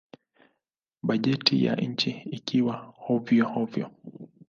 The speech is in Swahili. Bajeti ya nchi ikawa hovyo-hovyo.